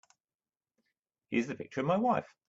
Here's the picture of my wife.